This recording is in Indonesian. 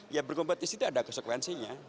ya berkompetisi itu ada konsekuensinya